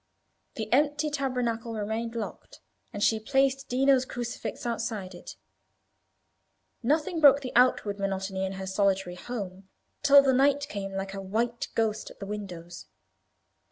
The empty tabernacle remained locked, and she placed Dino's crucifix outside it. Nothing broke the outward monotony of her solitary home, till the night came like a white ghost at the windows.